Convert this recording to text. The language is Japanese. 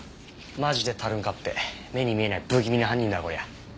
マジでタルンカッペ目に見えない不気味な犯人だなこりゃ。